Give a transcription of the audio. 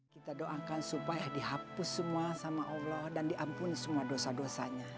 kita doakan supaya dihapus semua sama allah dan diampuni semua dosa dosanya